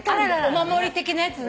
お守り的なやつね。